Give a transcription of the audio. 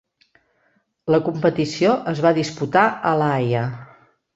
La competició es va disputar a La Haia.